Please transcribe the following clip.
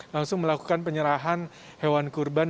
langsung melakukan penyerahan hewan kurban